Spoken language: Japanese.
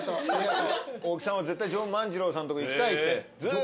大木さんはジョン万次郎さんとこ行きたいってずっと。